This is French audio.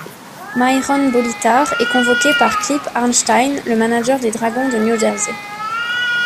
Myron Bolitar est convoqué par Clip Arnstein, le manager des Dragons de New Jersey.